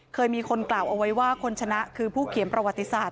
เคยมีคนกล่าวเอาไว้ว่าคนชนะคือผู้เขียนประวัติศาสต